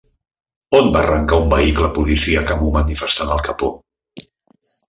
On va arrencar un vehicle policíac amb un manifestant al capó?